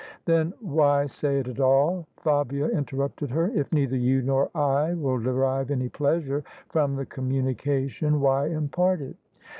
" Then why say it at all? " Fabia interrupted her. " If neither you nor I will derive any pleasure from the com munication, why impart it?"